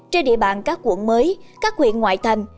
trên địa bàn các quận mới các huyện ngoại thành